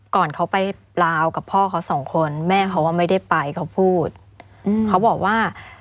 ก่อนเค้าไปราวกับพ่อเค้าสองคนแม่เค้าว่าไม่ได้ไปเค้าพูดเค้าบอกว่า